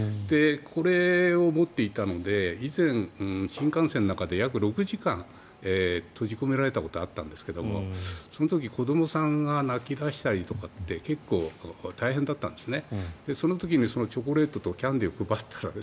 これを持っていたので以前、新幹線の中で約６時間、閉じ込められたことがあったんですがその時、子どもさんが泣き出したりとかって結構大変だったんですね。